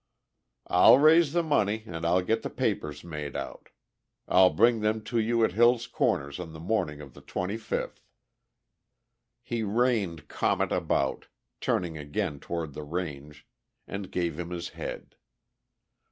"I'll raise the money and I'll get the papers made out. I'll bring them to you at Hill's Corners on the morning of the twenty fifth." He reined Comet about, turning again toward the range, and gave him his head.